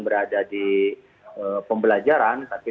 berada di pembelajaran tapi